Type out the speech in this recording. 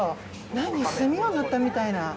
なに墨を塗ったみたいな。